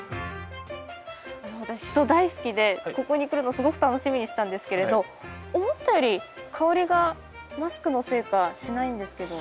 あの私シソ大好きでここに来るのすごく楽しみにしてたんですけれど思ったより香りがマスクのせいかしないんですけど。